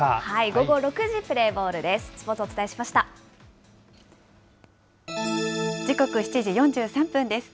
午後６時プレーボールです。